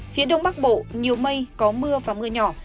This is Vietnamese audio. phía đông bắc bộ nhiều mây có mưa và mưa nhỏ